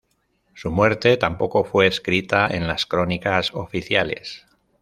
Su muerte tampoco fue escrita en las crónicas oficiales.